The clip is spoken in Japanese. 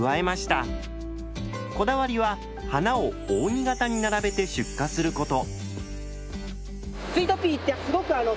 こだわりは花を扇形に並べて出荷すること。